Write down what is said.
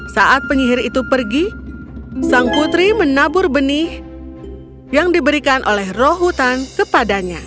saat penyihir itu pergi sang putri menabur benih yang diberikan oleh roh hutan kepadanya